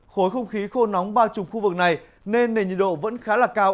khối không khí khô nóng bao trùm khu vực này nên nền nhiệt độ vẫn khá là cao